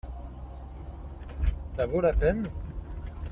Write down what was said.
Ça vaut la peine ?